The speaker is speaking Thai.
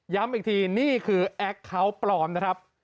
อีกทีนี่คือแอคเคาน์ปลอมนะครับ